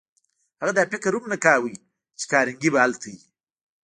هغه دا فکر هم نه کاوه چې کارنګي به هلته وي.